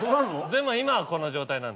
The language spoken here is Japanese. でも今はこの状態なんで。